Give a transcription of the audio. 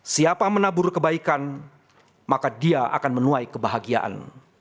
siapa menabur kebaikan maka dia akan menuai kebahagiaan